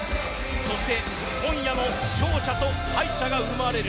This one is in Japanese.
そして、今夜も勝者と敗者が生まれる。